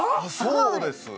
そうです。